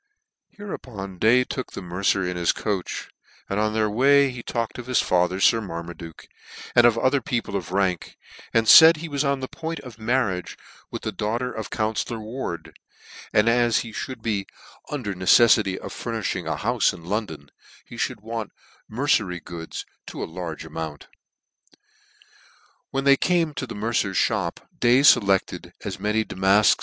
Hereupon Day took the mercer in his coach, and on their way he talked of his father Sir ivlar maduke, and of other people of rank ; and laid he was on the point of marriage with the daugh ter of counfcllor Ward, and as h? ihould be under Yoi., I. No. 9. T t a no 330 NEW NEWGATE CALENDAR. a neceffity of furnifhing a houfe in London, he fhould want mercery goods to a large amount. When they came to the mercer's mop, Day felected as many damafks, &c.